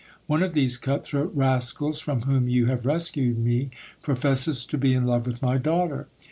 One of these cut throat rascals, from whom you have rescued me, professes to be in love with my daughter.